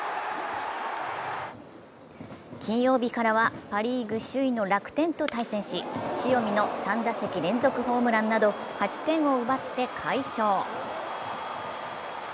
金曜日からはパ・リーグ首位の楽天と対戦し塩見の３打席連続ホームランなど８点を奪って快勝。